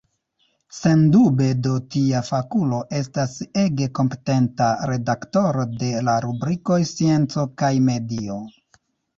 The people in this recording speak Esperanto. Sendube do tia fakulo estas ege kompetenta redaktoro de la rubrikoj scienco kaj medio.